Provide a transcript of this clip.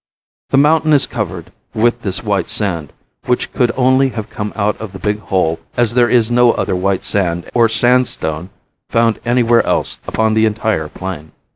The mountain is covered with this white sand, which could only have come out of the big hole as there is no other white sand or sandstone found anywhere else upon the entire plain.